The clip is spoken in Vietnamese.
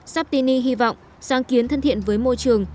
saptini hy vọng sáng kiến thân thiện với môi trường